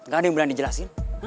gak ada yang berani jelasin